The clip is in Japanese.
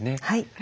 はい。